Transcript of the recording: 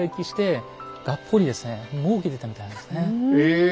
え！